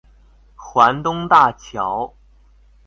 環東大橋